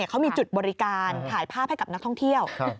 เขามีจุดบริการถ่ายภาพให้กับนักท่องเที่ยว